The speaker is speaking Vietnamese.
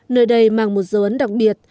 nơi đây mang một dấu ấn đặc biệt